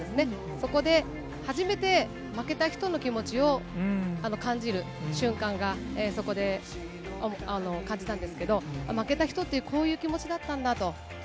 そこで初めて負けた人の気持ちを感じる瞬間が、そこで感じたんですけど、負けた人って、こういう気持ちだったんだと。